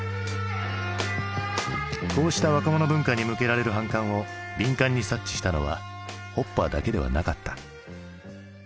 こうした若者文化に向けられる反感を敏感に察知したのはホッパーだけではなかった。